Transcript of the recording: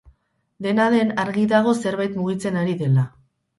Dena den argi dago zerbait mugitzen ari dela.